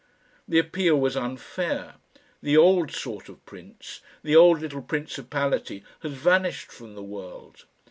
The appeal was unfair. The old sort of Prince, the old little principality has vanished from the world.